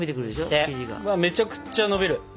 うわめちゃくちゃのびる。